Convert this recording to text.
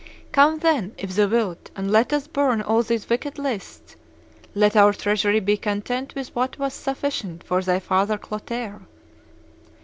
Come then, if thou wilt, and let us burn all these wicked lists; let our treasury be content with what was sufficient for thy father Clotaire.